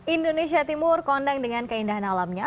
indonesia timur kondang dengan keindahan alamnya